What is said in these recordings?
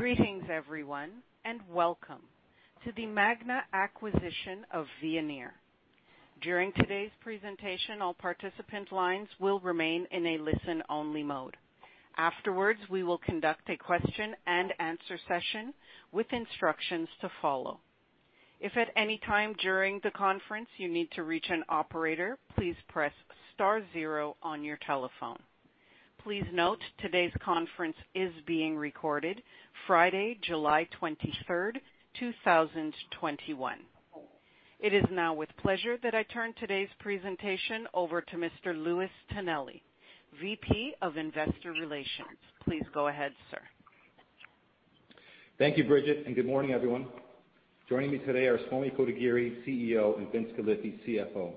Greetings everyone, and welcome to the Magna acquisition of Veoneer. During today's presentation, all participants' lines will remain in a listen-only mode. Afterwards, we will conduct a question and answer session with instructions to follow. If at any time during the conference you need to reach an operator, please press star zero on your telephone. Please note today's conference is being recorded Friday, July 23rd, 2021. It is now with pleasure that I turn today's presentation over to Mr. Louis Tonelli, VP of Investor Relations. Please go ahead, sir. Thank you, Bridget, and good morning, everyone. Joining me today are Swamy Kotagiri, CEO, and Vince Galifi, CFO.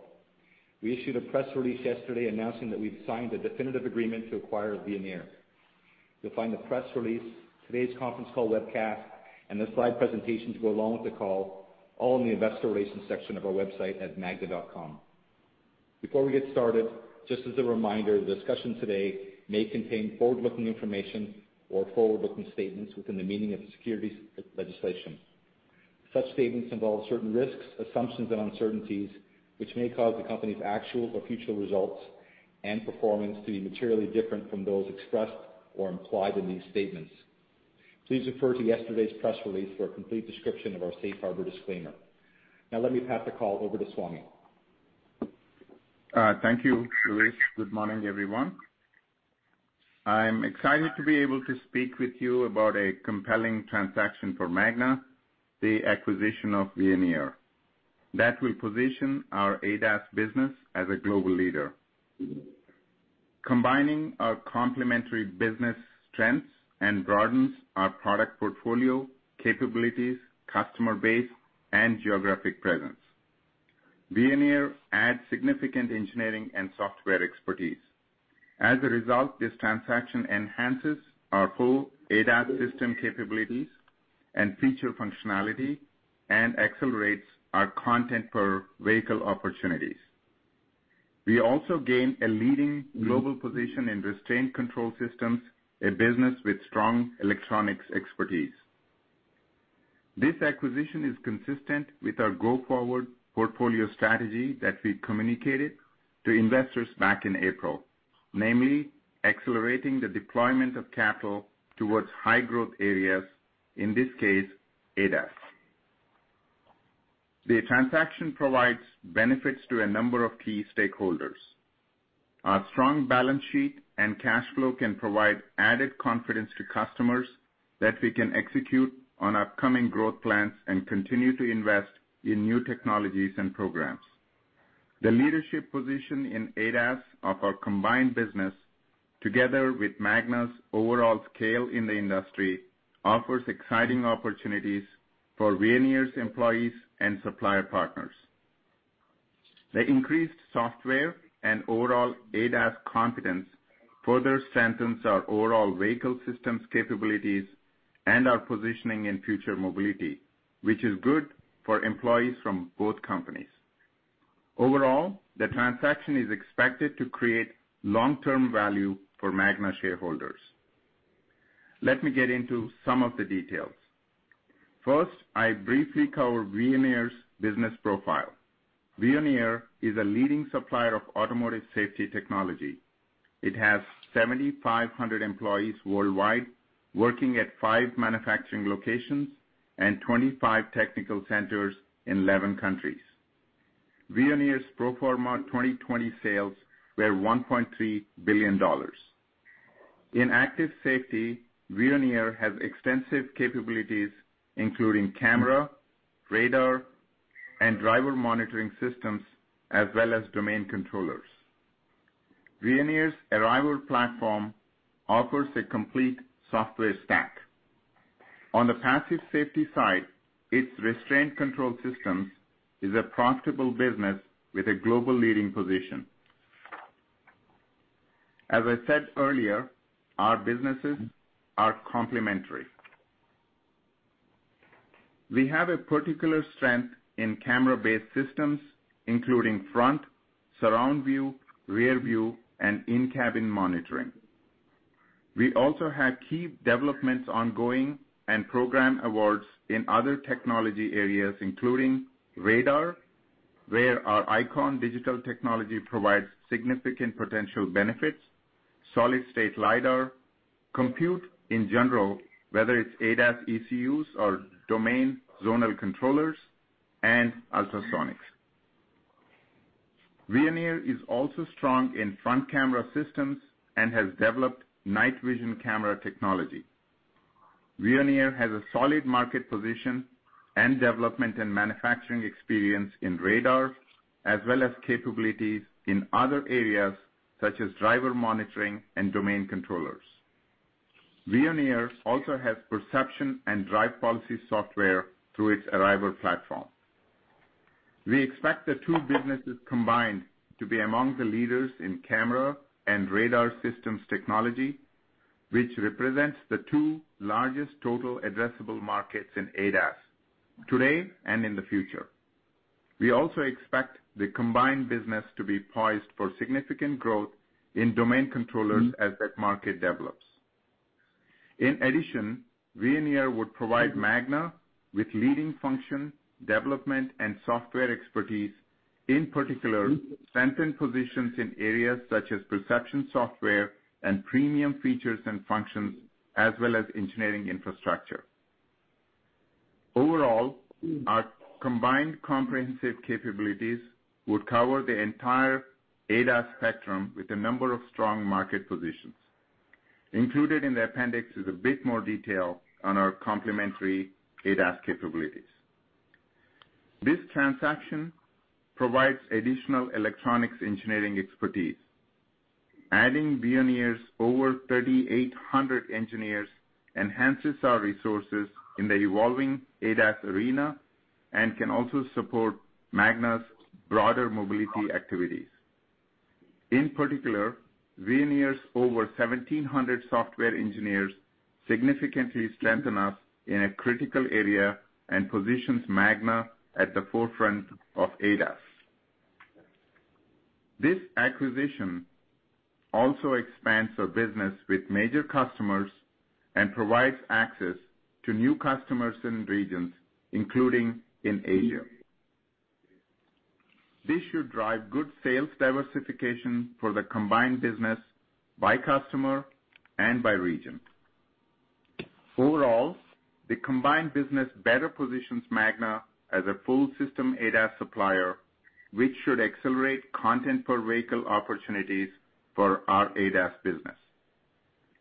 We issued a press release yesterday announcing that we've signed a definitive agreement to acquire Veoneer. You'll find the press release, today's conference call webcast, and the slide presentations to go along with the call, all in the investor relations section of our website at magna.com. Before we get started, just as a reminder, the discussion today may contain forward-looking information or forward-looking statements within the meaning of securities legislation. Such statements involve certain risks, assumptions, and uncertainties which may cause the company's actual or future results and performance to be materially different from those expressed or implied in these statements. Please refer to yesterday's press release for a complete description of our safe harbor disclaimer. Let me pass the call over to Swamy. Thank you, Louis. Good morning, everyone. I'm excited to be able to speak with you about a compelling transaction for Magna, the acquisition of Veoneer. That will position our ADAS business as a global leader, combining our complementary business strengths and broadens our product portfolio, capabilities, customer base, and geographic presence. Veoneer adds significant engineering and software expertise. As a result, this transaction enhances our full ADAS system capabilities and feature functionality and accelerates our content per vehicle opportunities. We also gain a leading global position in Restraint Control Systems, a business with strong electronics expertise. This acquisition is consistent with our go-forward portfolio strategy that we communicated to investors back in April, namely accelerating the deployment of capital towards high growth areas, in this case, ADAS. The transaction provides benefits to a number of key stakeholders. Our strong balance sheet and cash flow can provide added confidence to customers that we can execute on upcoming growth plans and continue to invest in new technologies and programs. The leadership position in ADAS of our combined business, together with Magna's overall scale in the industry, offers exciting opportunities for Veoneer's employees and supplier partners. The increased software and overall ADAS competence further strengthens our overall vehicle systems capabilities and our positioning in future mobility, which is good for employees from both companies. Overall, the transaction is expected to create long-term value for Magna shareholders. Let me get into some of the details. First, I briefly cover Veoneer's business profile. Veoneer is a leading supplier of automotive safety technology. It has 7,500 employees worldwide, working at five manufacturing locations and 25 technical centers in 11 countries. Veoneer's pro forma 2020 sales were $1.3 billion. In active safety, Veoneer has extensive capabilities, including camera, radar, and driver monitoring systems, as well as domain controllers. Veoneer's Arriver platform offers a complete software stack. On the passive safety side, its Restraint Control Systems is a profitable business with a global leading position. As I said earlier, our businesses are complementary. We have a one particular strength in camera-based systems, including front, surround view, rear view, and in-cabin monitoring. We also have key developments ongoing and program awards in other technology areas, including radar, where our ICON digital technology provides significant potential benefits, solid state LIDAR, compute, in general, whether it's ADAS ECUs or domain zonal controllers, and ultrasonics. Veoneer is also strong in front camera systems and has developed night vision camera technology. Veoneer has a solid market position and development and manufacturing experience in radar, as well as capabilities in other areas such as driver monitoring and domain controllers. Veoneer also has perception and drive policy software through its Arriver platform. We expect the two businesses combined to be among the leaders in camera and radar systems technology, which represents the two largest total addressable markets in ADAS today and in the future. We also expect the combined business to be poised for significant growth in domain controllers as that market develops. Veoneer would provide Magna with leading function, development, and software expertise, in particular, strengthen positions in areas such as perception software and premium features and functions, as well as engineering infrastructure. Our combined comprehensive capabilities would cover the entire ADAS spectrum with a number of strong market positions. Included in the appendix is a bit more detail on our complementary ADAS capabilities. This transaction provides additional electronics engineering expertise. Adding Veoneer's over 3,800 engineers enhances our resources in the evolving ADAS arena and can also support Magna's broader mobility activities. In particular, Veoneer's over 1,700 software engineers significantly strengthen us in a critical area and positions Magna at the forefront of ADAS. This acquisition also expands our business with major customers and provides access to new customers and regions, including in Asia. This should drive good sales diversification for the combined business by customer and by region. Overall, the combined business better positions Magna as a full-system ADAS supplier, which should accelerate content per vehicle opportunities for our ADAS business.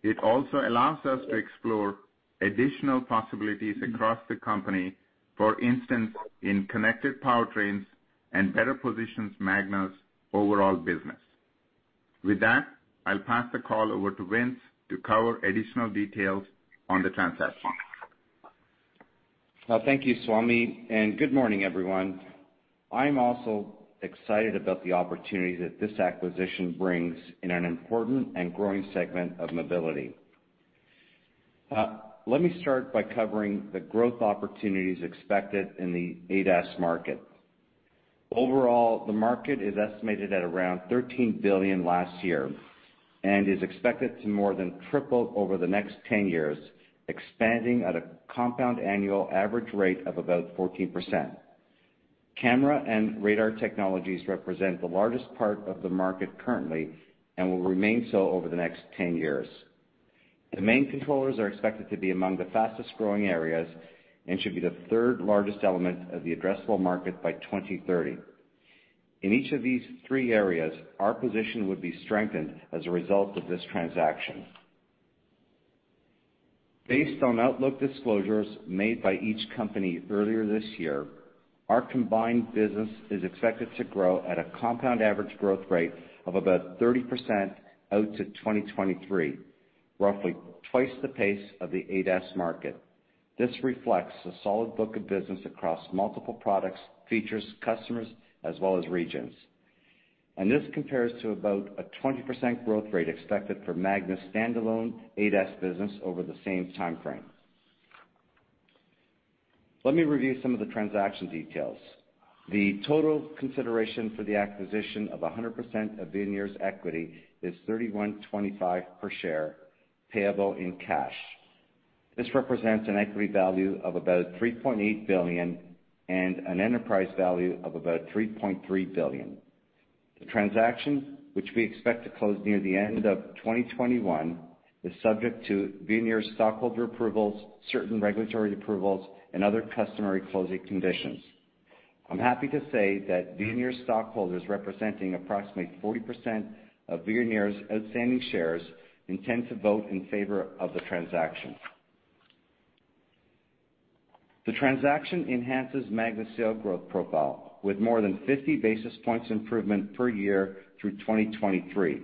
It also allows us to explore additional possibilities across the company, for instance, in connected powertrains, and better positions Magna's overall business. With that, I'll pass the call over to Vince to cover additional details on the transaction. Well, thank you, Swamy, and good morning, everyone. I'm also excited about the opportunity that this acquisition brings in an important and growing segment of mobility. Let me start by covering the growth opportunities expected in the ADAS market. Overall, the market is estimated at around $13 billion last year and is expected to more than triple over the next 10 years, expanding at a compound annual average rate of about 14%. Camera and radar technologies represent the largest part of the market currently and will remain so over the next 10 years. Domain controllers are expected to be among the fastest-growing areas and should be the third-largest element of the addressable market by 2030. In each of these three areas, our position would be strengthened as a result of this transaction. Based on outlook disclosures made by each company earlier this year, our combined business is expected to grow at a compound average growth rate of about 30% out to 2023, roughly twice the pace of the ADAS market. This reflects a solid book of business across multiple products, features, customers, as well as regions. This compares to about a 20% growth rate expected for Magna's standalone ADAS business over the same timeframe. Let me review some of the transaction details. The total consideration for the acquisition of 100% of Veoneer's equity is $31.25 per share, payable in cash. This represents an equity value of about $3.8 billion and an enterprise value of about $3.3 billion. The transaction, which we expect to close near the end of 2021, is subject to Veoneer stockholder approvals, certain regulatory approvals, and other customary closing conditions. I'm happy to say that Veoneer stockholders representing approximately 40% of Veoneer's outstanding shares intend to vote in favor of the transaction. The transaction enhances Magna's sale growth profile with more than 50 basis points improvement per year through 2023.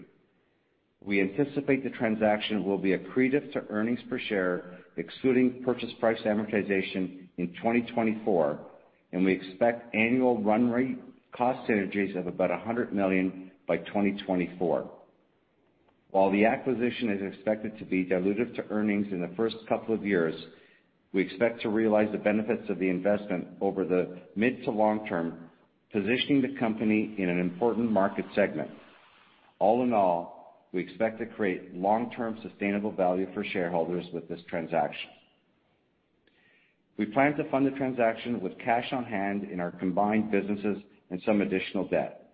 We anticipate the transaction will be accretive to earnings per share, excluding purchase price amortization in 2024. We expect annual run rate cost synergies of about $100 million by 2024. While the acquisition is expected to be dilutive to earnings in the first couple of years, we expect to realize the benefits of the investment over the mid to long term, positioning the company in an important market segment. All in all, we expect to create long-term sustainable value for shareholders with this transaction. We plan to fund the transaction with cash on hand in our combined businesses and some additional debt.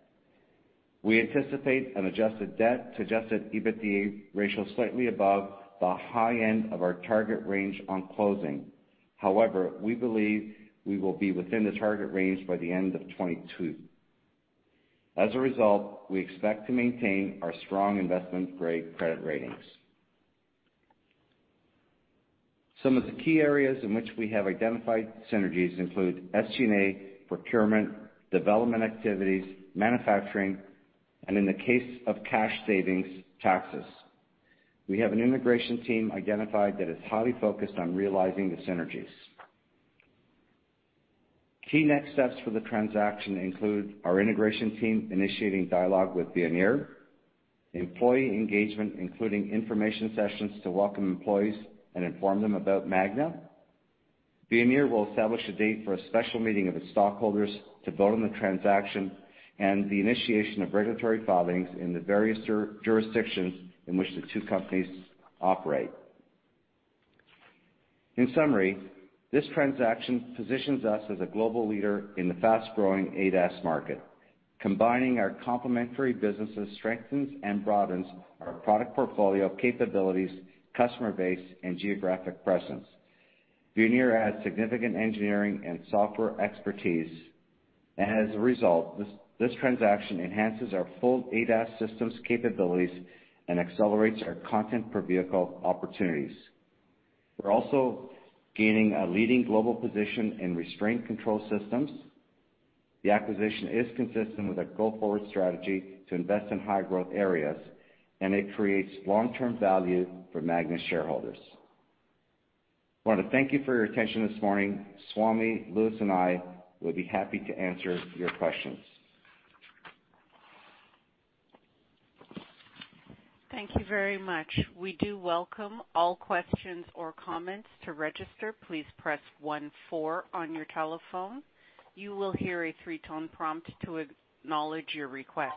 We anticipate an adjusted debt to adjusted EBITDA ratio slightly above the high end of our target range on closing. However, we believe we will be within the target range by the end of 2022. As a result, we expect to maintain our strong investment-grade credit ratings. Some of the key areas in which we have identified synergies include SG&A, procurement, development activities, manufacturing, and in the case of cash savings, taxes. We have an integration team identified that is highly focused on realizing the synergies. Key next steps for the transaction include our integration team initiating dialogue with Veoneer. Employee engagement, including information sessions to welcome employees and inform them about Magna. Veoneer will establish a date for a special meeting of its stockholders to vote on the transaction and the initiation of regulatory filings in the various jurisdictions in which the two companies operate. In summary, this transaction positions us as a global leader in the fast-growing ADAS market. Combining our complementary businesses strengthens and broadens our product portfolio capabilities, customer base, and geographic presence. As a result, this transaction enhances our full ADAS systems capabilities and accelerates our content per vehicle opportunities. We're also gaining a leading global position in Restraint Control Systems. The acquisition is consistent with our go-forward strategy to invest in high-growth areas, and it creates long-term value for Magna shareholders. I want to thank you for your attention this morning. Swamy, Louis, and I will be happy to answer your questions. Thank you very much. We do welcome all questions or comments. To register, please press one four on your telephone. You will hear a three-tone prompt to acknowledge your request.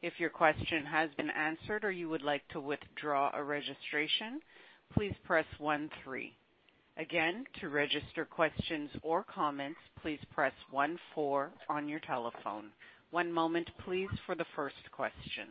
If your question has been answered or you would like to withdraw a registration, please press one three. Again, to register questions or comments, please press one four on your telephone. One moment, please, for the first question.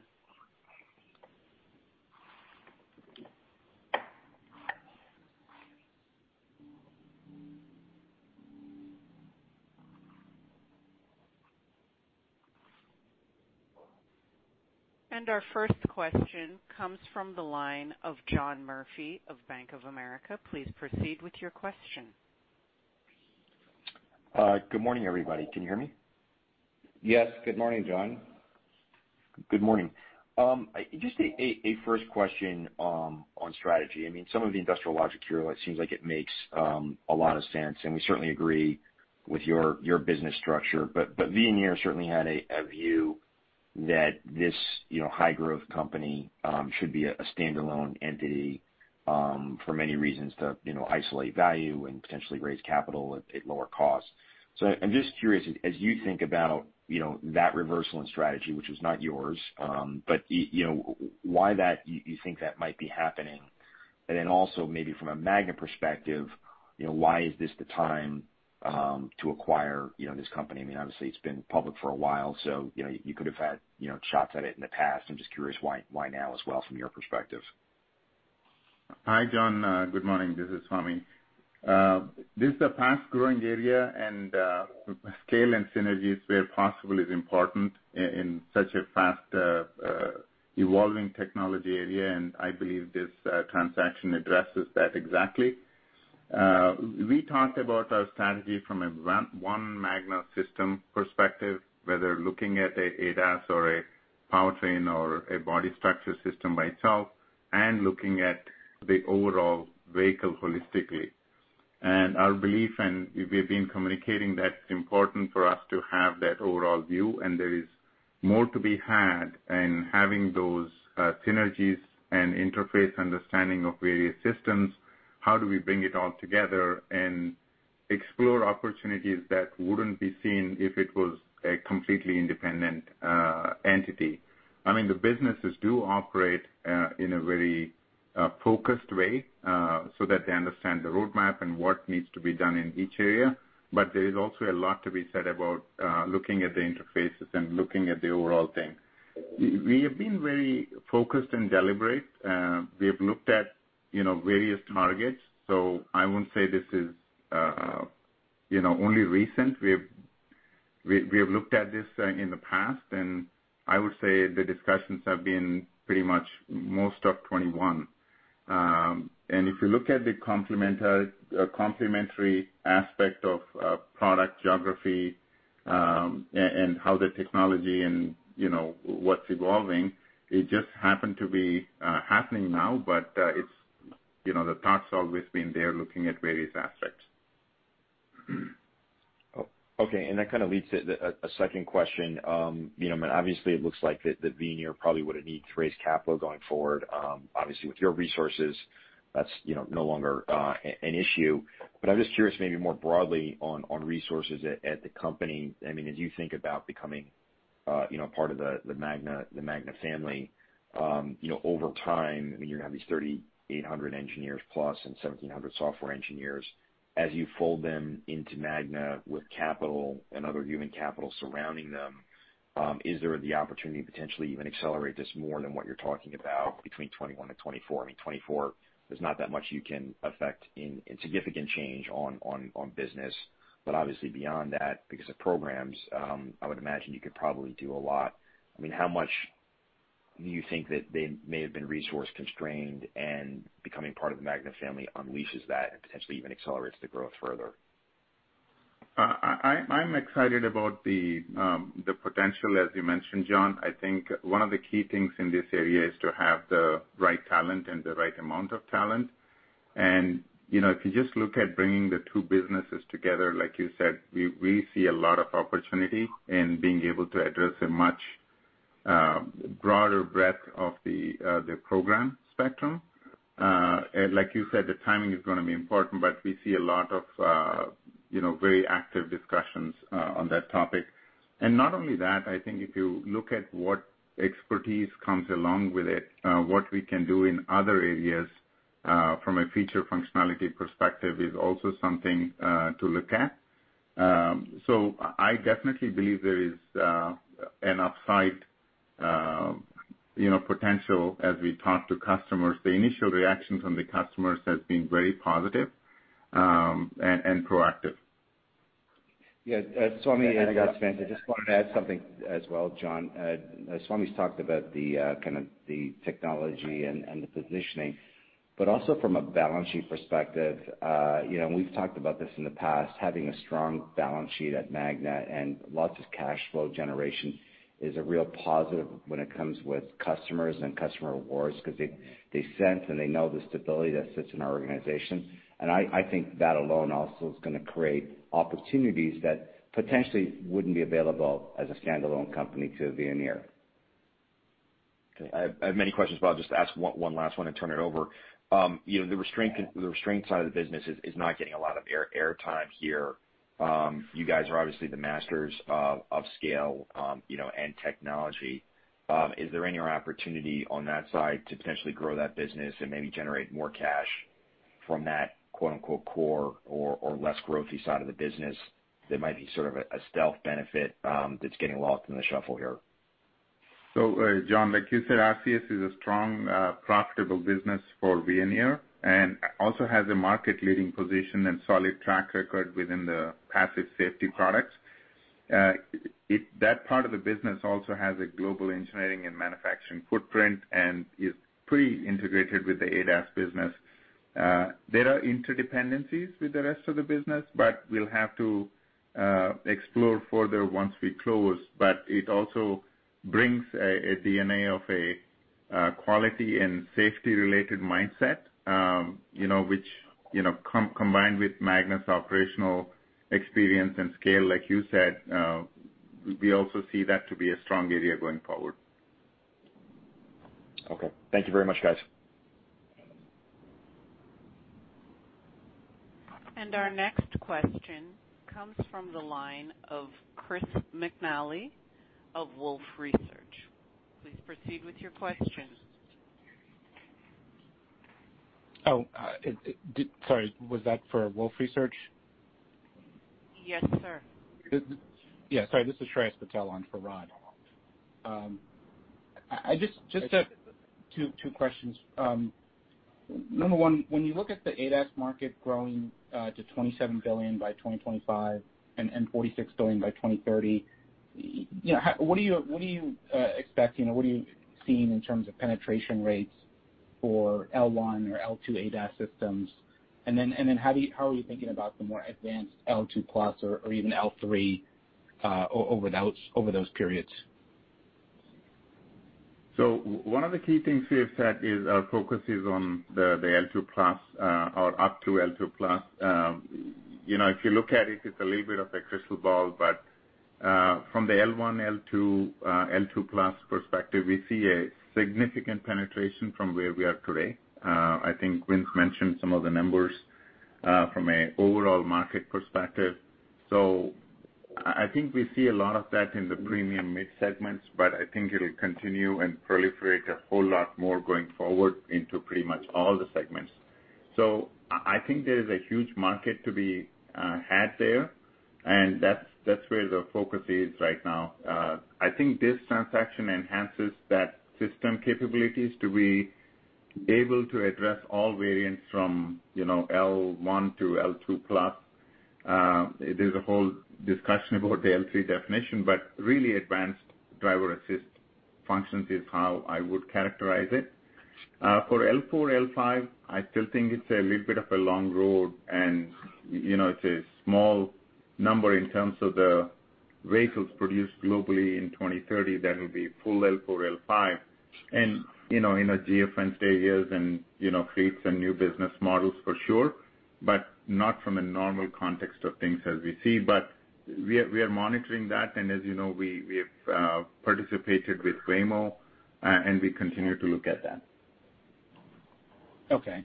Our first question comes from the line of John Murphy of Bank of America. Please proceed with your question. Good morning, everybody. Can you hear me? Yes. Good morning, John. Good morning. Just a first question on strategy. Some of the industrial logic here, it seems like it makes a lot of sense, and we certainly agree with your business structure. Veoneer certainly had a view that this high-growth company should be a standalone entity for many reasons, to isolate value and potentially raise capital at lower costs. I'm just curious, as you think about that reversal in strategy, which was not yours, but why you think that might be happening. Also maybe from a Magna perspective, why is this the time to acquire this company? Obviously, it's been public for a while, so you could have had shots at it in the past. I'm just curious why now as well from your perspective. Hi, John. Good morning. This is Swamy. This is a fast-growing area. Scale and synergies where possible is important in such a fast evolving technology area. I believe this transaction addresses that exactly. We talked about our strategy from a One Magna system perspective, whether looking at ADAS or a powertrain or a body structure system by itself. Looking at the overall vehicle holistically. Our belief, we have been communicating that it's important for us to have that overall view. There is more to be had in having those synergies and interface understanding of various systems. How do we bring it all together and explore opportunities that wouldn't be seen if it was a completely independent entity? The businesses do operate in a very focused way so that they understand the roadmap and what needs to be done in each area. There is also a lot to be said about looking at the interfaces and looking at the overall thing. We have been very focused and deliberate. We have looked at various targets. I wouldn't say this is only recent. We have looked at this in the past, and I would say the discussions have been pretty much most of 2021. If you look at the complementary aspect of product geography and how the technology and what's evolving, it just happened to be happening now, but the thought's always been there, looking at various aspects. Okay, that kind of leads to a second question. Obviously, it looks like that Veoneer probably would have needed to raise capital going forward. Obviously, with your resources, that's no longer an issue. I'm just curious, maybe more broadly on resources at the company. As you think about becoming part of the Magna family, over time, you're going to have these 3,800 engineers plus and 1,700 software engineers. As you fold them into Magna with capital and other human capital surrounding them, is there the opportunity to potentially even accelerate this more than what you're talking about between 2021 to 2024? 2024, there's not that much you can affect in significant change on business. Obviously beyond that, because of programs, I would imagine you could probably do a lot. How much do you think that they may have been resource-constrained and becoming part of the Magna family unleashes that and potentially even accelerates the growth further? I'm excited about the potential, as you mentioned, John. I think one of the key things in this area is to have the right talent and the right amount of talent. If you just look at bringing the two businesses together, like you said, we see a lot of opportunity in being able to address a much broader breadth of the program spectrum. Like you said, the timing is going to be important, but we see a lot of very active discussions on that topic. Not only that, I think if you look at what expertise comes along with it, what we can do in other areas from a feature functionality perspective is also something to look at. I definitely believe there is an upside potential as we talk to customers. The initial reaction from the customers has been very positive and proactive. Yeah. Swamy and I just wanted to add something as well, John. Swamy's talked about the kind of the technology and the positioning, but also from a balance sheet perspective. We've talked about this in the past, having a strong balance sheet at Magna and lots of cash flow generation is a real positive when it comes with customers and customer awards because they sense and they know the stability that sits in our organization. I think that alone also is going to create opportunities that potentially wouldn't be available as a standalone company to Veoneer. I have many questions, but I'll just ask one last one and turn it over. The restraint side of the business is not getting a lot of airtime here. You guys are obviously the masters of scale and technology. Is there any opportunity on that side to potentially grow that business and maybe generate more cash from that core or less growthy side of the business that might be sort of a stealth benefit that's getting lost in the shuffle here? John, like you said, Arriver is a strong profitable business for Veoneer and also has a market-leading position and solid track record within the passive safety products. That part of the business also has a global engineering and manufacturing footprint and is pretty integrated with the ADAS business. There are interdependencies with the rest of the business, but we'll have to explore further once we close. It also brings a DNA of a quality and safety-related mindset, which combined with Magna's operational experience and scale, like you said, we also see that to be a strong area going forward. Okay. Thank you very much, guys. Our next question comes from the line of Chris McNally of Wolfe Research. Please proceed with your question. Oh, sorry, was that for Wolfe Research? Yes, sir. Yeah, sorry. This is Shreyas Patil on for Rod. Just two questions. Number one, when you look at the ADAS market growing to $27 billion by 2025 and $46 billion by 2030, what are you expecting or what are you seeing in terms of penetration rates for L1 or L2 ADAS systems? How are you thinking about the more advanced L2+ or even L3 over those periods? One of the key things here, Shreyas, is our focus is on the L2 Plus or up to L2 Plus. If you look at it's a little bit of a crystal ball, but from the L1, L2 Plus perspective, we see a significant penetration from where we are today. I think Vince mentioned some of the numbers from an overall market perspective. I think we see a lot of that in the premium mid-segments, but I think it'll continue and proliferate a whole lot more going forward into pretty much all the segments. I think there is a huge market to be had there, and that's where the focus is right now. I think this transaction enhances that system capabilities to be able to address all variants from L1 through L2 Plus. There's a whole discussion about the L3 definition, but really advanced driver-assist functions is how I would characterize it. For L4, L5, I still think it's a little bit of a long road, and it's a small number in terms of the vehicles produced globally in 2030 that will be full L4, L5. In a different stage years and creates a new business models for sure, but not from a normal context of things as we see. We are monitoring that, and as you know, we have participated with Waymo, and we continue to look at that. Okay.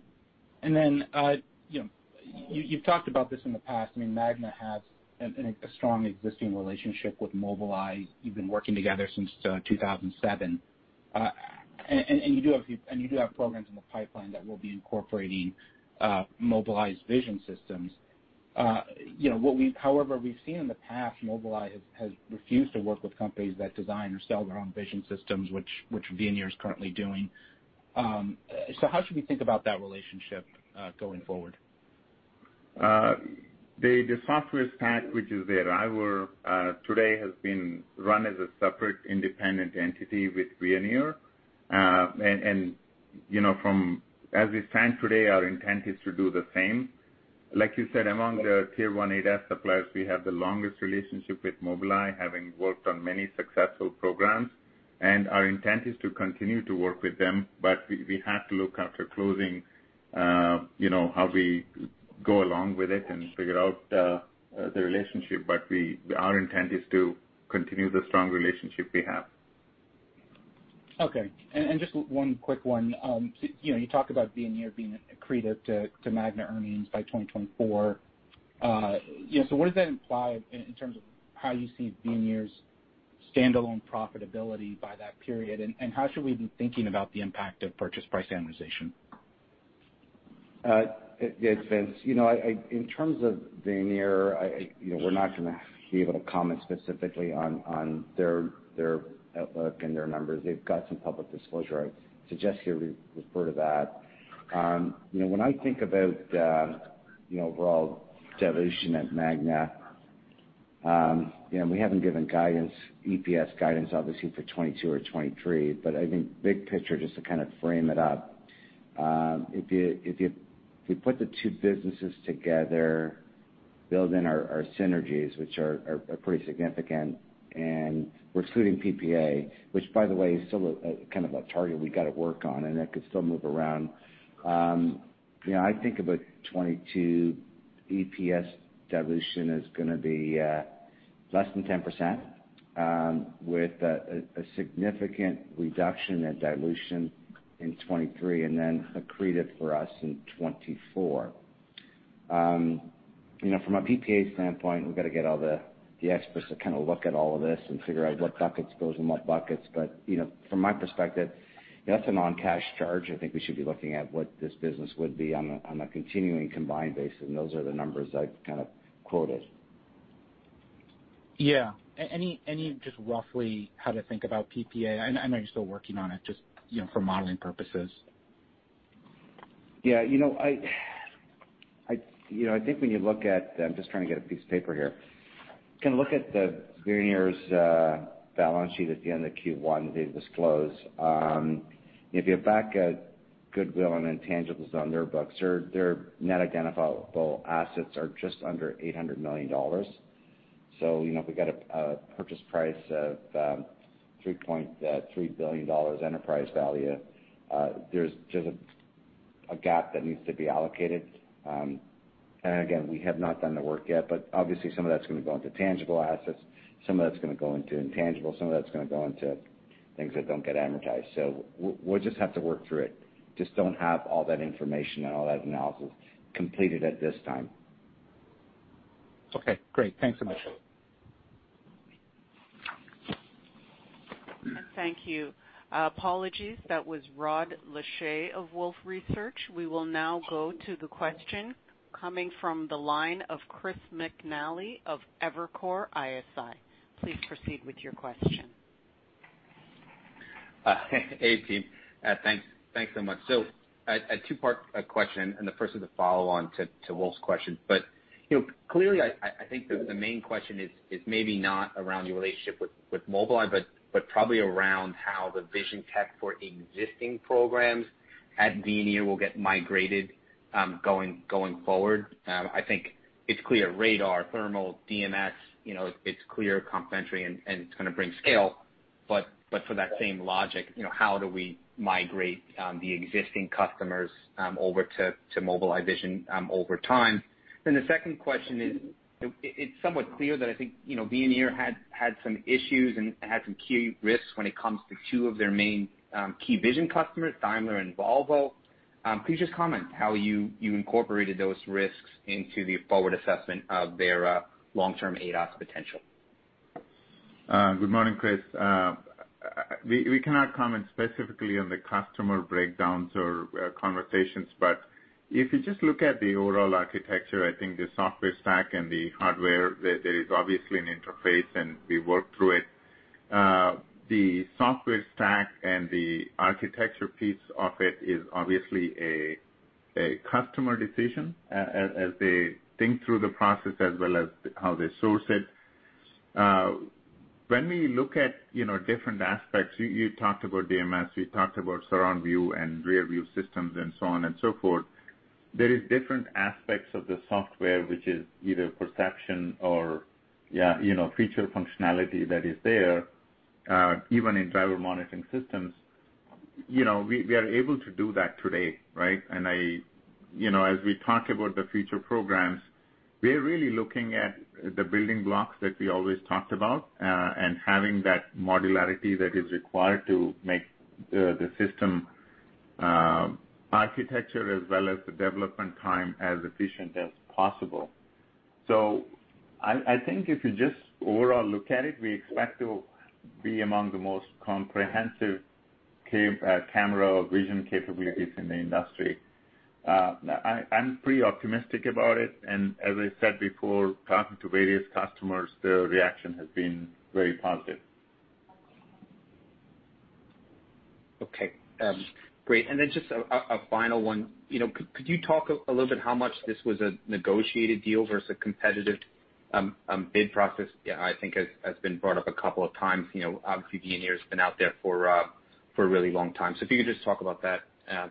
You've talked about this in the past. I mean, Magna has a strong existing relationship with Mobileye. You've been working together since 2007. You do have programs in the pipeline that will be incorporating Mobileye's vision systems. However, we've seen in the past, Mobileye has refused to work with companies that design or sell their own vision systems, which Veoneer is currently doing. How should we think about that relationship going forward? The software stack, which is the Arriver today, has been run as a separate independent entity with Veoneer. As we stand today, our intent is to do the same. Like you said, among the Tier one ADAS suppliers, we have the longest relationship with Mobileye, having worked on many successful programs. Our intent is to continue to work with them, but we have to look after closing, how we go along with it and figure out the relationship. Our intent is to continue the strong relationship we have. Okay. Just one quick one. You talked about Veoneer being accretive to Magna earnings by 2024. What does that imply in terms of how you see Veoneer's standalone profitability by that period, and how should we be thinking about the impact of purchase price amortization? Yeah. Thanks, Vince. In terms of Veoneer, we're not going to be able to comment specifically on their outlook and their numbers. They've got some public disclosure. I suggest you refer to that. When I think about the overall dilution at Magna, we haven't given EPS guidance, obviously, for 2022 or 2023, but I think big picture, just to kind of frame it up, if you put the two businesses together, build in our synergies, which are pretty significant, and we're excluding PPA, which by the way, is still kind of a target we got to work on, and that could still move around. I think about 2022 EPS dilution is going to be less than 10%, with a significant reduction in dilution in 2023, and then accretive for us in 2024. From a PPA standpoint, we've got to get all the experts to kind of look at all of this and figure out what buckets goes in what buckets. From my perspective, that's a non-cash charge. I think we should be looking at what this business would be on a continuing combined basis, and those are the numbers I've kind of quoted. Yeah. Any just roughly how to think about PPA? I know you're still working on it, just for modeling purposes. I'm just trying to get a piece of paper here. Kind of look at Veoneer's balance sheet at the end of Q1 they disclose. If you back out goodwill and intangibles on their books, their net identifiable assets are just under $800 million. If we've got a purchase price of $3.3 billion enterprise value, there's just a gap that needs to be allocated. Again, we have not done the work yet, but obviously some of that's going to go into tangible assets, some of that's going to go into intangible, some of that's going to go into things that don't get amortized. We'll just have to work through it. Just don't have all that information and all that analysis completed at this time. Okay, great. Thanks so much. Thank you. Apologies, that was Rod Lache of Wolfe Research. We will now go to the question coming from the line of Chris McNally of Evercore ISI. Please proceed with your question. Hey, team. Thanks so much. A two-part question, and the first is a follow-on to Wolfe's question. Clearly, I think the main question is maybe not around your relationship with Mobileye, but probably around how the vision tech for existing programs at Veoneer will get migrated going forward. I think it's clear radar, thermal, DMS, it's clear complementary and it's going to bring scale. For that same logic, how do we migrate the existing customers over to Mobileye vision over time? The second question is, it's somewhat clear that I think Veoneer had some issues and had some key risks when it comes to two of their main key vision customers, Daimler and Volvo. Could you just comment how you incorporated those risks into the forward assessment of their long-term ADAS potential? Good morning, Chris. We cannot comment specifically on the customer breakdowns or conversations. If you just look at the overall architecture, I think the software stack and the hardware, there is obviously an interface, and we work through it. The software stack and the architecture piece of it is obviously a customer decision, as they think through the process as well as how they source it. When we look at different aspects, you talked about DMS, you talked about surround view and rear view systems and so on and so forth. There is different aspects of the software, which is either perception or feature functionality that is there, even in driver monitoring systems. We are able to do that today, right? As we talk about the future programs, we are really looking at the building blocks that we always talked about, and having that modularity that is required to make the system architecture as well as the development time as efficient as possible. I think if you just overall look at it, we expect to be among the most comprehensive camera vision capabilities in the industry. I'm pretty optimistic about it, and as I said before, talking to various customers, the reaction has been very positive. Okay. Great. Then just a final one. Could you talk a little bit how much this was a negotiated deal versus a competitive bid process, I think has been brought up a couple of times. Obviously, Veoneer's been out there for a really long time. If you could just talk about that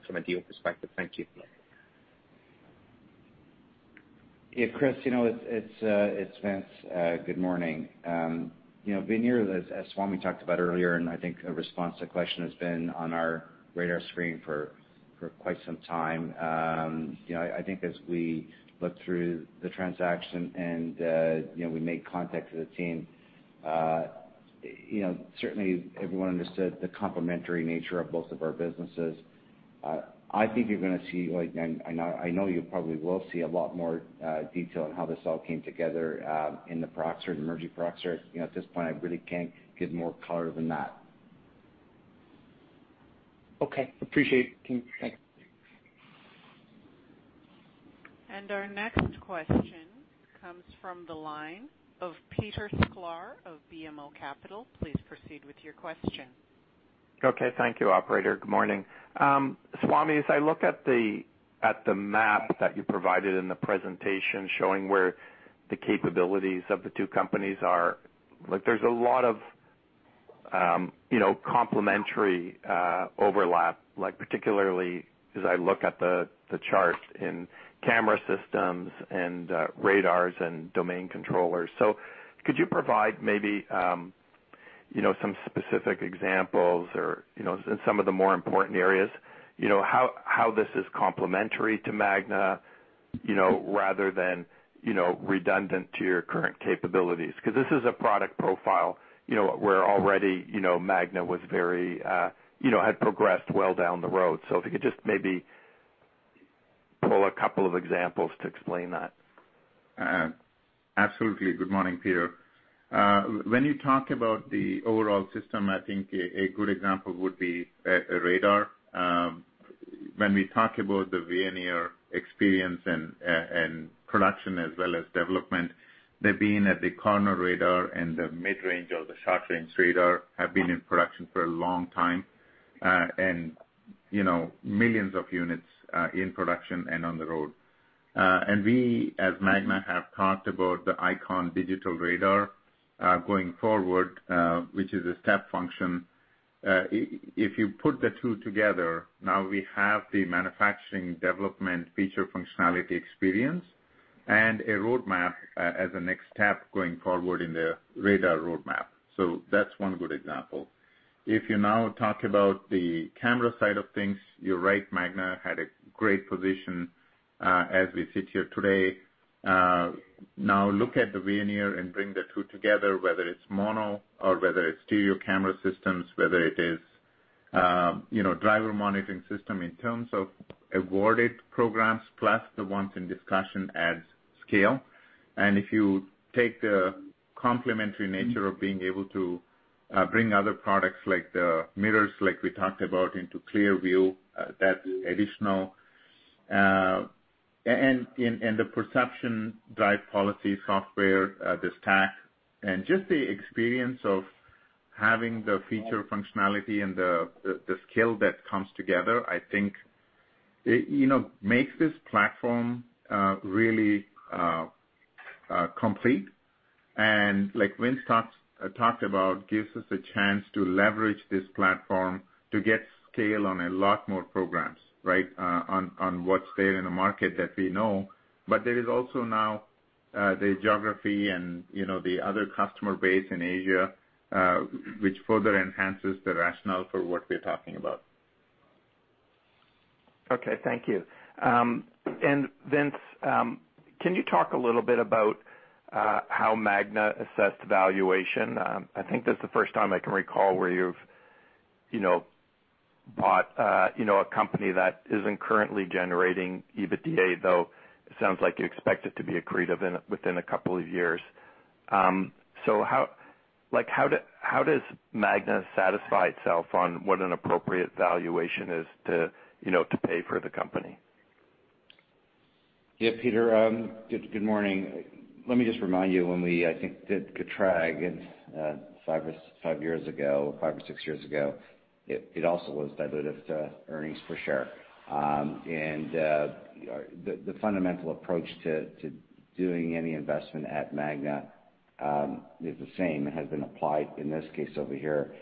from a deal perspective. Thank you. Yeah, Chris, it's Vince. Good morning. Veoneer, as Swamy talked about earlier, and I think a response to question has been on our radar screen for quite some time. I think as we looked through the transaction and we made contact with the team, certainly everyone understood the complementary nature of both of our businesses. I think you're going to see, I know you probably will see a lot more detail on how this all came together in the proxy, the merger proxy. At this point, I really can't give more color than that. Okay. Appreciate it, team. Thanks. Our next question comes from the line of Peter Sklar of BMO Capital. Please proceed with your question. Okay. Thank you, operator. Good morning. Swamy, as I look at the map that you provided in the presentation showing where the capabilities of the two companies are, there's a lot of complementary overlap, particularly as I look at the chart in camera systems and radars and domain controllers. Could you provide maybe some specific examples or in some of the more important areas, how this is complementary to Magna, rather than redundant to your current capabilities? Because this is a product profile where already Magna had progressed well down the road. If you could just maybe pull a couple of examples to explain that. Absolutely. Good morning, Peter. You talk about the overall system, I think a good example would be a radar. We talk about the Veoneer experience and production as well as development, they've been at the corner radar and the mid-range or the short-range radar have been in production for a long time, and millions of units in production and on the road. We, as Magna, have talked about the ICON digital radar going forward, which is a step function. If you put the two together, now we have the manufacturing development feature functionality experience and a roadmap as a next step going forward in the radar roadmap. That's one good example. If you now talk about the camera side of things, you're right, Magna had a great position as we sit here today. Now look at the Veoneer and bring the two together, whether it's mono or whether it's stereo camera systems, whether it is driver monitoring system in terms of awarded programs, plus the ones in discussion as scale. If you take the complementary nature of being able to bring other products like the mirrors, like we talked about into ClearView, that additional perception drive policy software, the stack, and just the experience of having the feature functionality and the skill that comes together, I think, makes this platform really complete. Like Vince talked about, gives us a chance to leverage this platform to get scale on a lot more programs on what's there in the market that we know. There is also now the geography and the other customer base in Asia, which further enhances the rationale for what we're talking about. Okay. Thank you. Vince, can you talk a little bit about how Magna assessed valuation? I think that's the first time I can recall where you've bought a company that isn't currently generating EBITDA, though it sounds like you expect it to be accretive within a couple of years. How does Magna satisfy itself on what an appropriate valuation is to pay for the company? Yeah, Peter, good morning. Let me just remind you, when we, I think, did Getrag five years ago, five or six years ago, it also was dilutive to earnings per share. The fundamental approach to doing any investment at Magna is the same, has been applied in this case over here.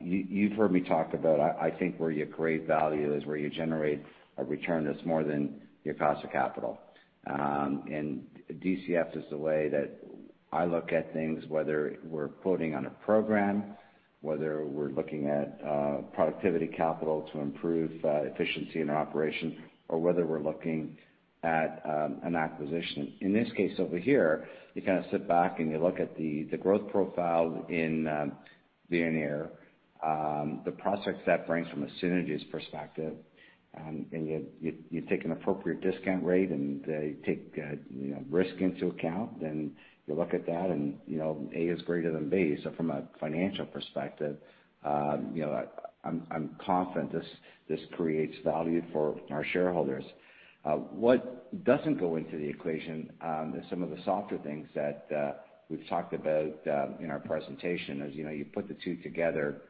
You've heard me talk about, I think where you create value is where you generate a return that's more than your cost of capital. DCF is the way that I look at things, whether we're quoting on a program, whether we're looking at productivity capital to improve efficiency in our operation, or whether we're looking at an acquisition. In this case over here, you kind of sit back and you look at the growth profile in Veoneer, the prospects that brings from a synergies perspective, and you take an appropriate discount rate and you take risk into account, and you look at that and A is greater than B. From a financial perspective, I'm confident this creates value for our shareholders. What doesn't go into the equation is some of the softer things that we've talked about in our presentation. As you put the two together.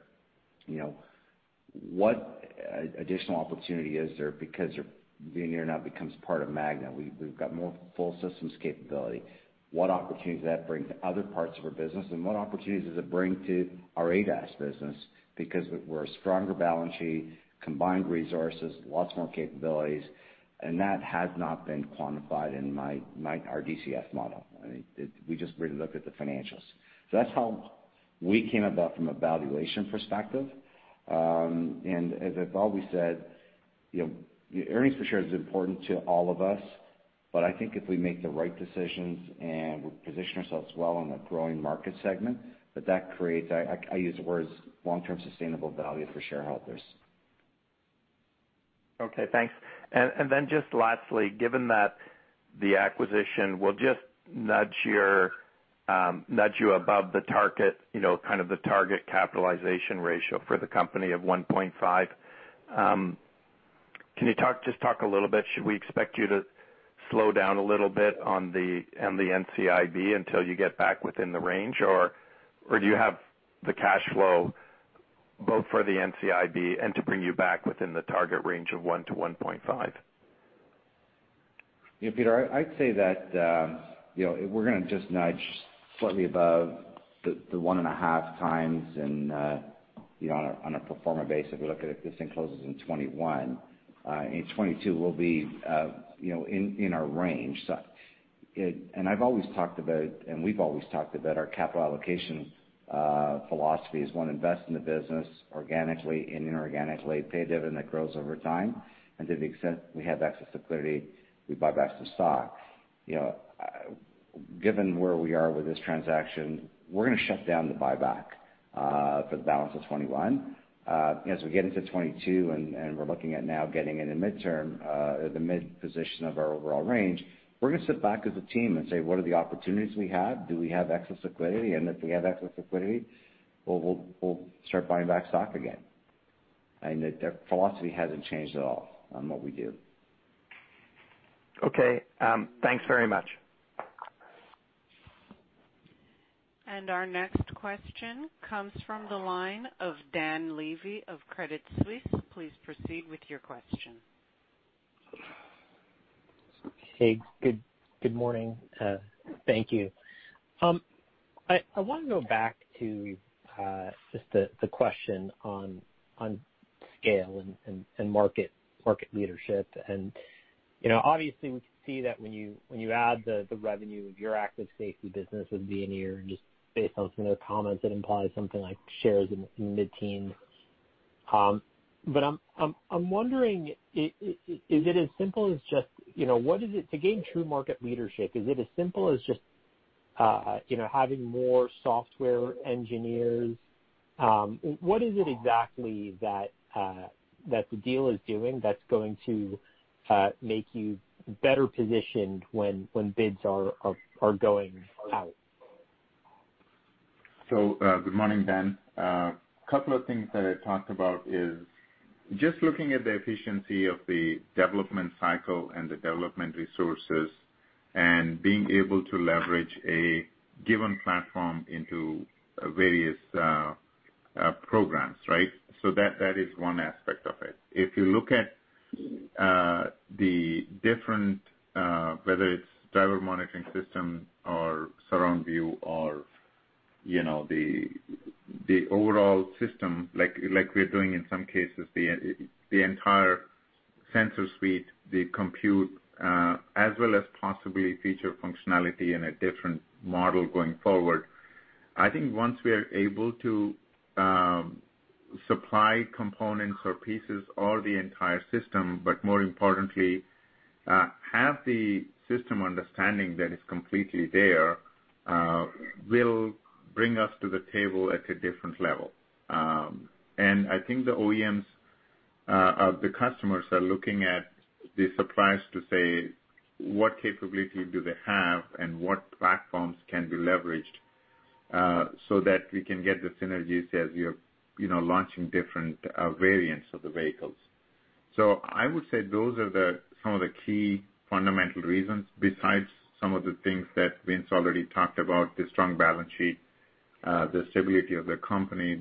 What additional opportunity is there because Veoneer now becomes part of Magna? We've got more full systems capability. What opportunities does that bring to other parts of our business, and what opportunities does it bring to our ADAS business? We're a stronger balance sheet, combined resources, lots more capabilities, and that has not been quantified in our DCF model. We just really looked at the financials. That's how we came about from a valuation perspective. As I've always said, earnings per share is important to all of us, but I think if we make the right decisions and we position ourselves well in a growing market segment, that creates, I use the words, long-term sustainable value for shareholders. Okay, thanks. Just lastly, given that the acquisition will just nudge you above the target capitalization ratio for the company of 1.5, can you just talk a little bit, should we expect you to slow down a little bit on the NCIB until you get back within the range, or do you have the cash flow both for the NCIB and to bring you back within the target range of 1-1.5? Yeah, Peter, I'd say that we're going to just nudge slightly above the 1.5x and on a pro forma basis, we look at if this thing closes in 2021. In 2022, we'll be in our range. We've always talked about our capital allocation philosophy is, one, invest in the business organically and inorganically, pay dividend that grows over time. To the extent we have excess liquidity, we buy back the stock. Given where we are with this transaction, we're going to shut down the buyback for the balance of 2021. As we get into 2022 and we're looking at now getting in the mid-position of our overall range, we're going to sit back as a team and say, "What are the opportunities we have. Do we have excess liquidity? If we have excess liquidity, we'll start buying back stock again. The philosophy hasn't changed at all on what we do. Okay. Thanks very much. Our next question comes from the line of Dan Levy of Credit Suisse. Please proceed with your question. Hey, good morning. Thank you. I want to go back to just the question on scale and market leadership. Obviously, we can see that when you add the revenue of your active safety business with Veoneer, and just based on some of the comments, it implies something like shares in mid-teens. I'm wondering, to gain true market leadership, is it as simple as just having more software engineers? What is it exactly that the deal is doing that's going to make you better positioned when bids are going out? Good morning, Dan. A couple of things that I talked about is just looking at the efficiency of the development cycle and the development resources and being able to leverage a given platform into various programs, right? That is one aspect of it. If you look at the different, whether it's driver monitoring system or surround view or the overall system like we're doing in some cases, the entire sensor suite, the compute, as well as possibly feature functionality in a different model going forward. I think once we are able to supply components or pieces or the entire system, but more importantly, have the system understanding that is completely there, will bring us to the table at a different level. I think the OEMs, the customers are looking at the suppliers to say what capability do they have and what platforms can be leveraged, so that we can get the synergies as we are launching different variants of the vehicles. I would say those are some of the key fundamental reasons besides some of the things that Vince already talked about, the strong balance sheet, the stability of the company,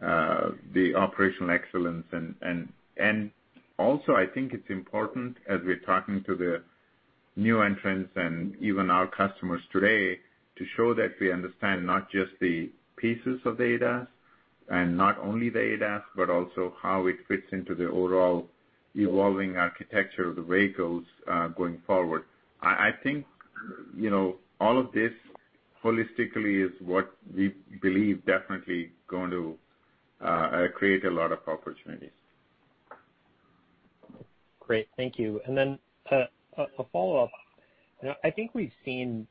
the operational excellence. Also, I think it's important as we're talking to the new entrants and even our customers today to show that we understand not just the pieces of ADAS and not only the ADAS, but also how it fits into the overall evolving architecture of the vehicles going forward. I think all of this holistically is what we believe definitely going to create a lot of opportunities. Great. Thank you. Then a follow-up. I think we've seen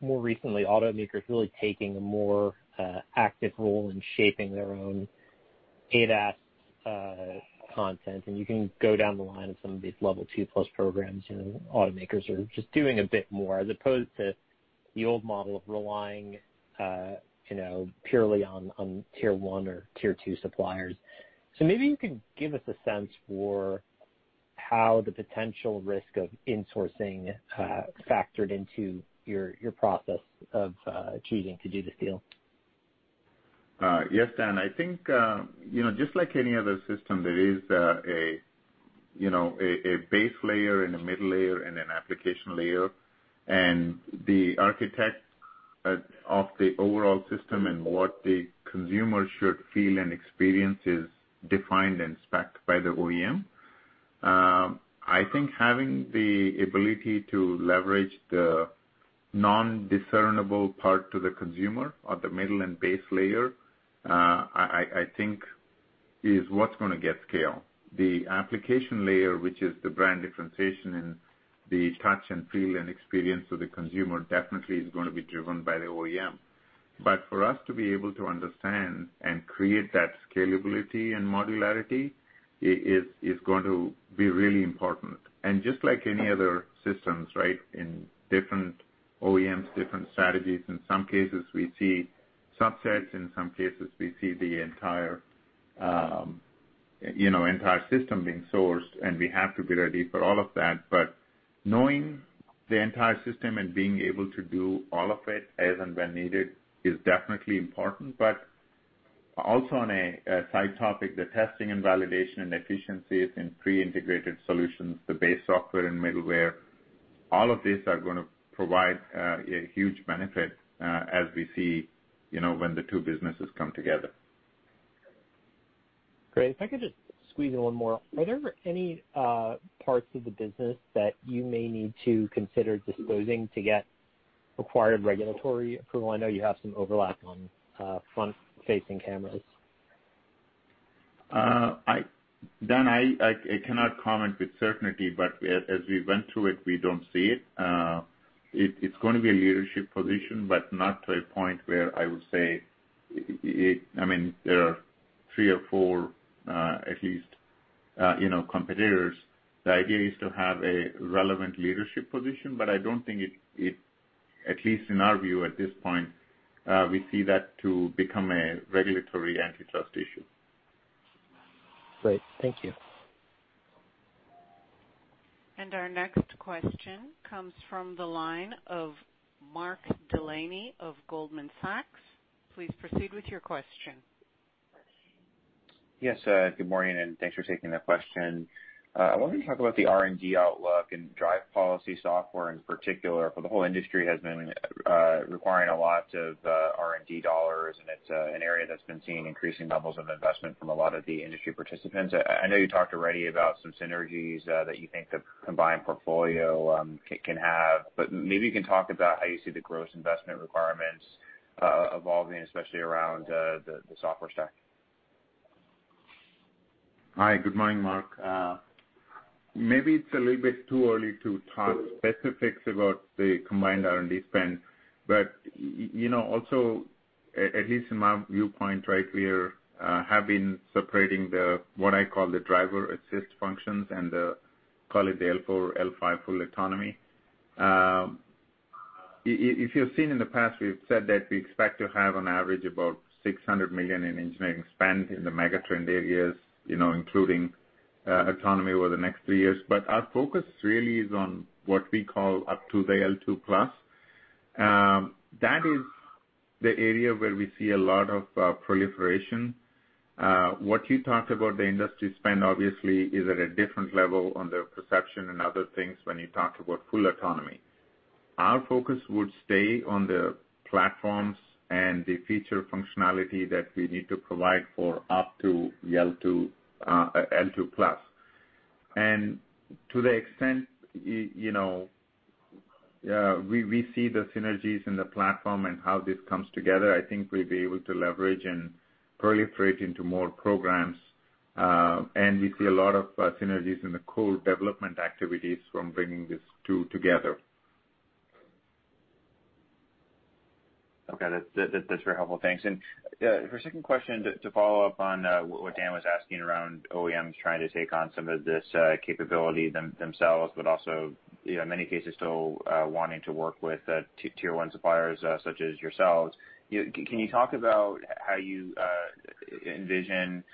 more recently automakers really taking a more active role in shaping their own ADAS content, and you can go down the line of some of these L2+ programs. Automakers are just doing a bit more as opposed to the old model of relying purely on tier 1 or tier 2 suppliers. Maybe you could give us a sense for how the potential risk of insourcing factored into your process of choosing to do this deal. Yes, Dan. I think just like any other system, there is a base layer and a middle layer and an application layer. The architect of the overall system and what the consumer should feel and experience is defined and specced by the OEM. I think having the ability to leverage the non-discernible part to the consumer of the middle and base layer, I think is what's going to get scale. The application layer, which is the brand differentiation and the touch and feel and experience of the consumer, definitely is going to be driven by the OEM. For us to be able to understand and create that scalability and modularity is going to be really important. Just like any other systems, in different OEMs, different strategies, in some cases we see subsets, in some cases, we see the entire system being sourced, and we have to be ready for all of that. Knowing the entire system and being able to do all of it as and when needed is definitely important. Also on a side topic, the testing and validation and efficiencies in pre-integrated solutions, the base software and middleware, all of these are going to provide a huge benefit as we see when the two businesses come together. Great. If I could just squeeze in one more. Are there any parts of the business that you may need to consider disposing to get required regulatory approval? I know you have some overlap on front-facing cameras. Dan, I cannot comment with certainty, but as we went through it, we don't see it. It's going to be a leadership position, but not to a point where I would say there are three or four at least, competitors. The idea is to have a relevant leadership position, but I don't think it, at least in our view at this point, we see that to become a regulatory antitrust issue. Great. Thank you. Our next question comes from the line of Mark Delaney of Goldman Sachs. Please proceed with your question. Yes, good morning, and thanks for taking the question. I wanted to talk about the R&D outlook and drive policy software in particular, for the whole industry has been requiring a lot of R&D dollars, and it's an area that's been seeing increasing levels of investment from a lot of the industry participants. I know you talked already about some synergies that you think the combined portfolio can have, but maybe you can talk about how you see the gross investment requirements evolving, especially around the software stack? Hi. Good morning, Mark. Maybe it's a little bit too early to talk specifics about the combined R&D spend, but also, at least in my viewpoint, we have been separating the, what I call the driver assist functions and the, call it the L4, L5 full autonomy. If you've seen in the past, we've said that we expect to have on average about $600 million in engineering spend in the megatrend areas, including autonomy over the next three years. Our focus really is on what we call up to the L2+. That is the area where we see a lot of proliferation. What you talked about, the industry spend obviously is at a different level on the perception and other things when you talk about full autonomy. Our focus would stay on the platforms and the feature functionality that we need to provide for up to the L2+. To the extent we see the synergies in the platform and how this comes together, I think we'll be able to leverage and proliferate into more programs. We see a lot of synergies in the co-development activities from bringing these two together. Okay. That's very helpful. Thanks. For a second question, to follow up on what Dan Levy was asking around OEMs trying to take on some of this capability themselves, but also, in many cases, still wanting to work with tier one suppliers such as yourselves. Can you talk about how you envision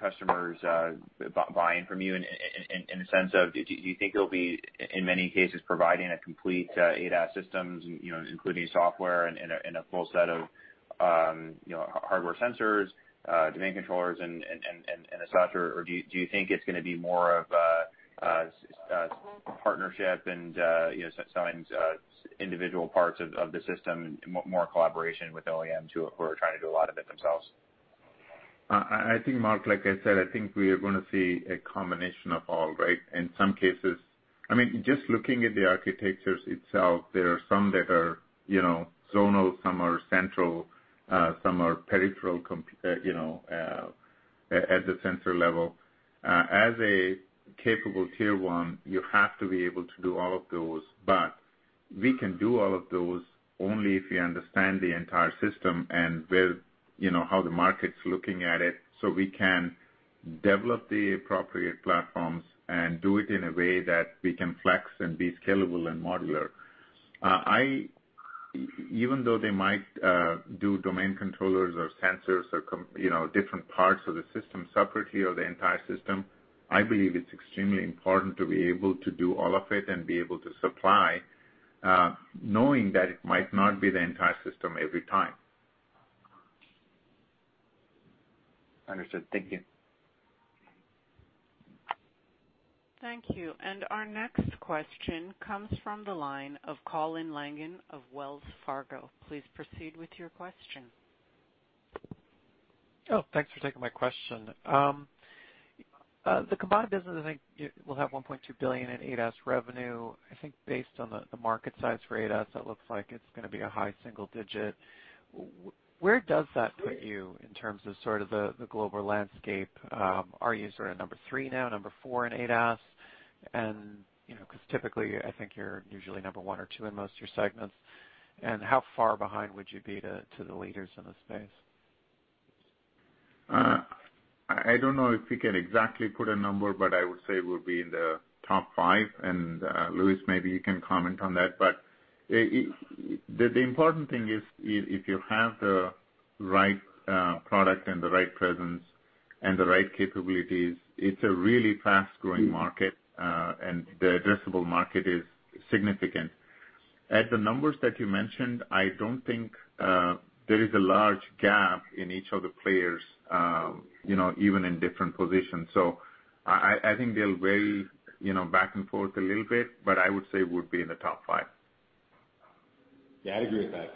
customers buying from you in the sense of, do you think it'll be, in many cases, providing a complete ADAS systems, including software and a full set of hardware sensors, domain controllers and such? Do you think it's going to be more of a partnership and selling individual parts of the system and more collaboration with OEMs who are trying to do a lot of it themselves? I think Mark, like I said, I think we are going to see a combination of all, right? In some cases, just looking at the architectures itself, there are some that are zonal, some are central, some are peripheral at the sensor level. As a capable tier one, you have to be able to do all of those. We can do all of those only if we understand the entire system and how the market's looking at it, so we can develop the appropriate platforms and do it in a way that we can flex and be scalable and modular. Even though they might do domain controllers or sensors or different parts of the system separately or the entire system, I believe it's extremely important to be able to do all of it and be able to supply, knowing that it might not be the entire system every time. Understood. Thank you. Thank you. Our next question comes from the line of Colin Langan of Wells Fargo. Please proceed with your question. Oh, thanks for taking my question. The combined business, I think, will have $1.2 billion in ADAS revenue. I think based on the market size for ADAS, it looks like it's going to be a high single-digit. Where does that put you in terms of sort of the global landscape? Are you sort of number three now, number four in ADAS? Because typically, I think you're usually number one or two in most of your segments. How far behind would you be to the leaders in the space? I don't know if we can exactly put a number, but I would say we'll be in the top five. Louis, maybe you can comment on that. The important thing is if you have the right product and the right presence and the right capabilities, it's a really fast-growing market, and the addressable market is significant. At the numbers that you mentioned, I don't think there is a large gap in each of the players, even in different positions. I think they'll vary back and forth a little bit, but I would say we'll be in the top five. Yeah, I'd agree with that.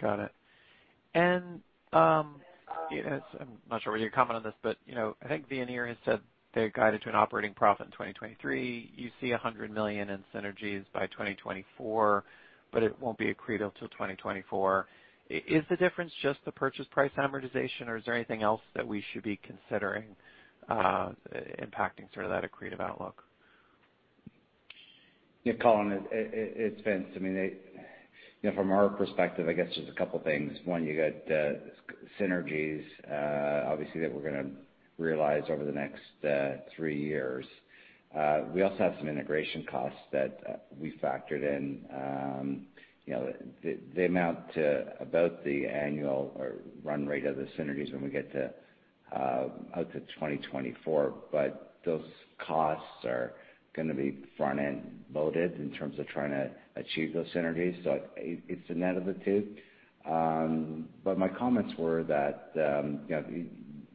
Got it. I'm not sure whether you comment on this, but I think Veoneer has said they're guided to an operating profit in 2023. You see $100 million in synergies by 2024, but it won't be accretive till 2024. Is the difference just the purchase price amortization, or is there anything else that we should be considering impacting sort of that accretive outlook? Colin, it's Vince. From our perspective, I guess there's a couple things. One, you got synergies, obviously, that we're gonna realize over the next three years. We also have some integration costs that we factored in. They amount to about the annual or run rate of the synergies when we get out to 2024. Those costs are gonna be front-end loaded in terms of trying to achieve those synergies. It's the net of the two. My comments were that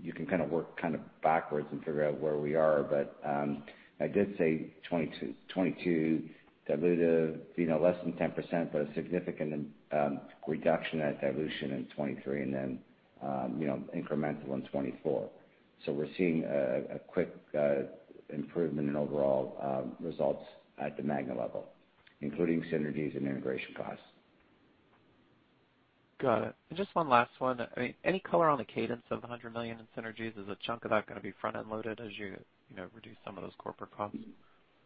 you can kind of work kind of backwards and figure out where we are. I did say 2022, dilutive, less than 10%, but a significant reduction at dilution in 2023, and then incremental in 2024. We're seeing a quick improvement in overall results at the Magna level, including synergies and integration costs. Got it. Just one last one. Any color on the cadence of $100 million in synergies? Is a chunk of that going to be front-end loaded as you reduce some of those corporate costs?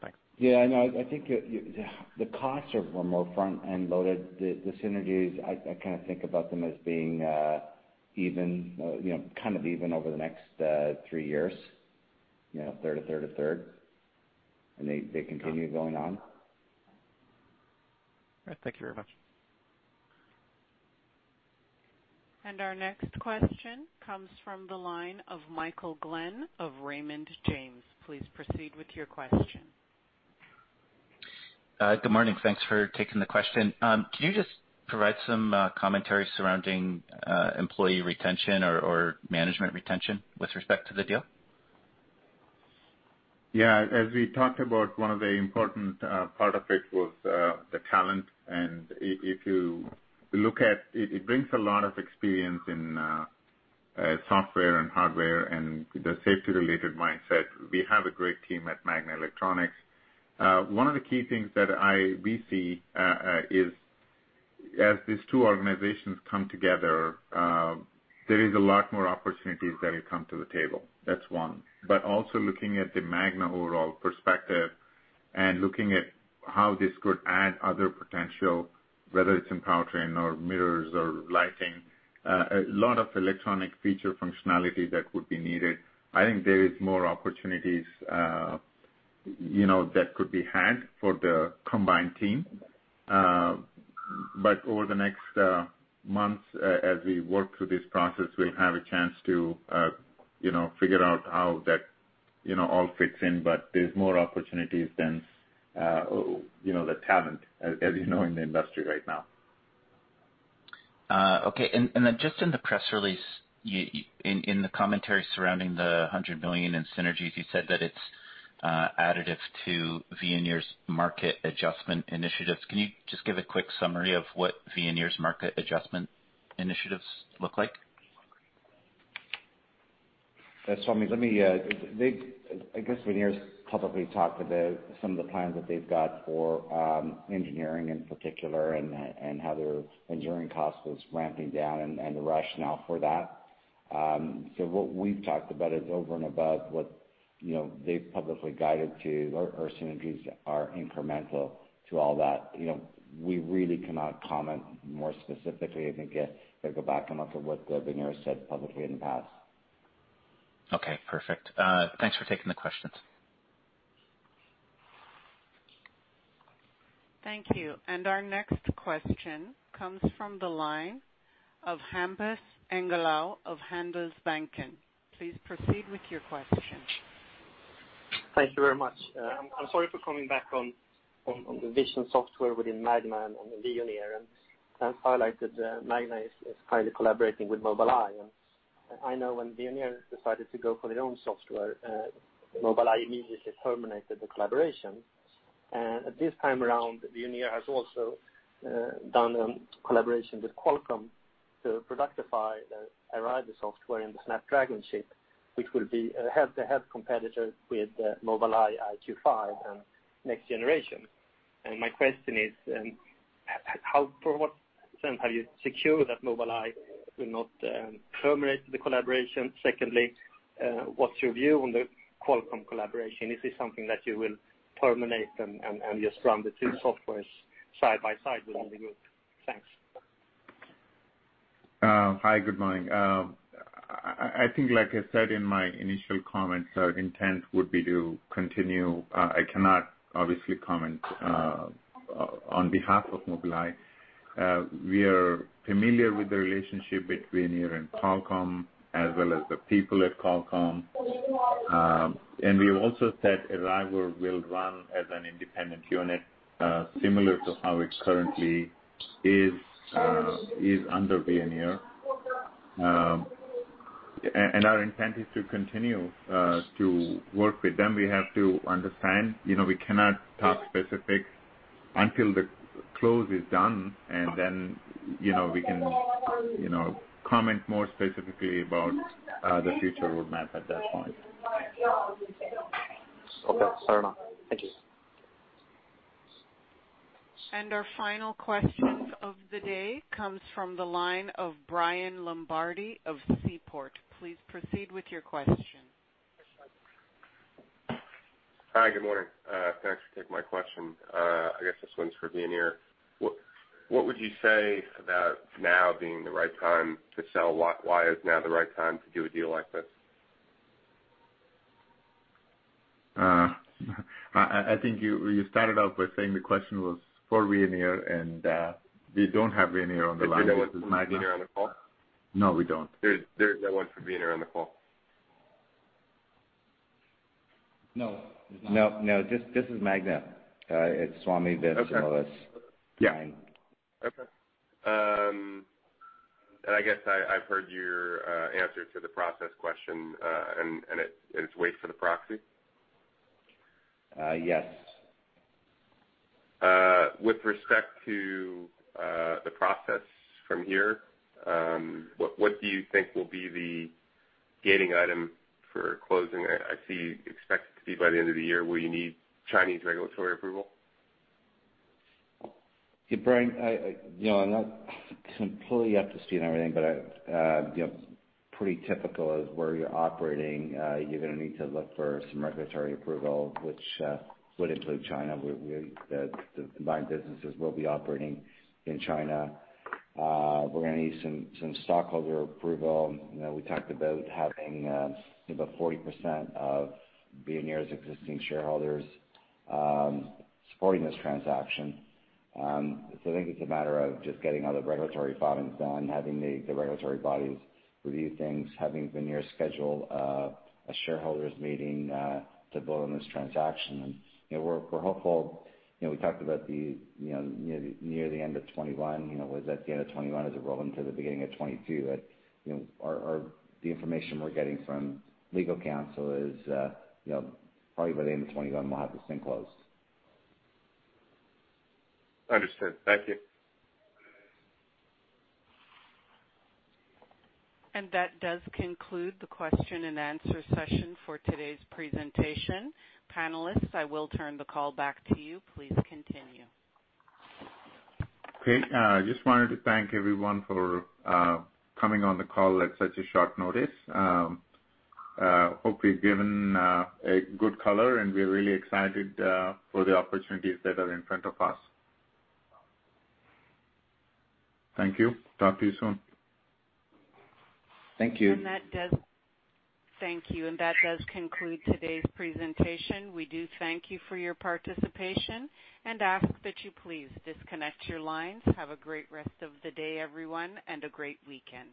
Thanks. Yeah, no, I think the costs were more front-end loaded. The synergies, I kind of think about them as being even, kind of even over the next three years, third a third a third. They continue going on. All right. Thank you very much. Our next question comes from the line of Michael Glen of Raymond James. Please proceed with your question. Good morning. Thanks for taking the question. Can you just provide some commentary surrounding employee retention or management retention with respect to the deal? Yeah. As we talked about, one of the important part of it was the talent. If you look at it brings a lot of experience in software and hardware and the safety-related mindset. We have a great team at Magna Electronics. One of the key things that we see is as these two organizations come together, there is a lot more opportunities that have come to the table. That's one. Also looking at the Magna overall perspective and looking at how this could add other potential, whether it's in powertrain or mirrors or lighting, a lot of electronic feature functionality that would be needed. I think there is more opportunities that could be had for the combined team. Over the next months, as we work through this process, we'll have a chance to figure out how that all fits in. There's more opportunities than the talent, as you know, in the industry right now. Okay. Just in the press release, in the commentary surrounding the $100 million in synergies, you said that it's additive to Veoneer's Market Adjustment Initiatives. Can you just give a quick summary of what Veoneer's Market Adjustment Initiatives look like? I guess Veoneer's publicly talked about some of the plans that they've got for engineering in particular and how their engineering cost was ramping down and the rationale for that. What we've talked about is over and above what they've publicly guided to. Our synergies are incremental to all that. We really cannot comment more specifically and then go back and look at what Veoneer said publicly in the past. Okay, perfect. Thanks for taking the questions. Thank you. Our next question comes from the line of Hampus Engellau of Handelsbanken. Please proceed with your question. Thank you very much. I'm sorry for coming back on the vision software within Magna and on Veoneer. As highlighted, Magna is highly collaborating with Mobileye, and I know when Veoneer decided to go for their own software, Mobileye immediately terminated the collaboration. This time around, Veoneer has also done a collaboration with Qualcomm to productify the Arriver software in the Snapdragon Ride, which will be a head-to-head competitor with Mobileye EyeQ5 and next generation. My question is, for what percentage have you secured that Mobileye will not terminate the collaboration? Secondly, what's your view on the Qualcomm collaboration? Is this something that you will terminate and just run the two softwares side by side within the group? Thanks. Hi, good morning. I think like I said in my initial comments, our intent would be to continue. I cannot obviously comment on behalf of Mobileye. We are familiar with the relationship between Veoneer and Qualcomm, as well as the people at Qualcomm. We've also said Arriver will run as an independent unit, similar to how it currently is under Veoneer. Our intent is to continue to work with them. We have to understand, we cannot talk specifics until the close is done, then, we can comment more specifically about the future roadmap at that point. Okay. Fair enough. Thank you. Our final question of the day comes from the line of Brian Lombardi of Seaport. Please proceed with your question. Hi, good morning. Thanks for taking my question. I guess this one's for Veoneer. What would you say about now being the right time to sell? Why is now the right time to do a deal like this? I think you started out by saying the question was for Veoneer, and we don't have Veoneer on the line. This is Magna. Is there no one from Veoneer on the call? No, we don't. There's no one from Veoneer on the call? No, there's not. No. This is Magna. It's Swamy. Okay. Yeah. Okay. I guess I've heard your answer to the process question, and it's wait for the proxy? Yes. With respect to the process from here, what do you think will be the gating item for closing? I see you expect it to be by the end of the year. Will you need Chinese regulatory approval? Hey, Brian. I'm not completely up to speed on everything, but pretty typical is where you're operating, you're going to need to look for some regulatory approval, which would include China, where the combined businesses will be operating in China. We're going to need some stockholder approval. We talked about having about 40% of Veoneer's existing shareholders supporting this transaction. I think it's a matter of just getting all the regulatory filings done, having the regulatory bodies review things, having Veoneer schedule a shareholders meeting to vote on this transaction. We're hopeful. We talked about near the end of 2021, was that the end of 2021? Is it rolling to the beginning of 2022? The information we're getting from legal counsel is probably by the end of 2021, we'll have this thing closed. Understood. Thank you. That does conclude the question and answer session for today's presentation. Panelists, I will turn the call back to you. Please continue. Great. I just wanted to thank everyone for coming on the call at such a short notice. Hope we've given a good color, and we're really excited for the opportunities that are in front of us. Thank you. Talk to you soon. Thank you. Thank you. That does conclude today's presentation. We do thank you for your participation and ask that you please disconnect your lines. Have a great rest of the day, everyone, and a great weekend.